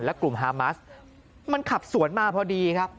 และกลุ่มฮามัสมันขับสวนมาพอดีครับ